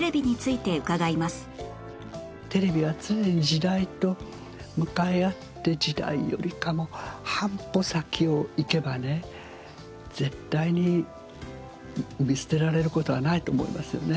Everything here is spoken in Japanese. テレビは常に時代と向かい合って時代よりかも半歩先を行けばね絶対に見捨てられる事はないと思いますよね。